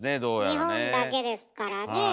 日本だけですからね。